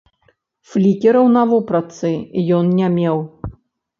Флікераў на вопратцы ён не меў.